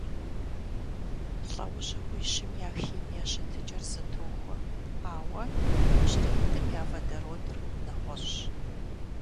ЛӀэужьыгъуищым я химие щытыкӀэр зэтохуэ, ауэ иужьреитӀым я водородыр нэгъуэщӀщ.